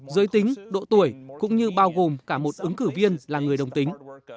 giới tính độ tuổi cũng như bao gồm cả một ứng cử viên là người đồng tính